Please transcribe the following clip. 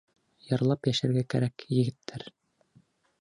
Йырлап йәшәргә кәрәк, егеттәр!